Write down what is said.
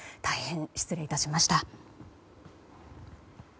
大変失礼致しました。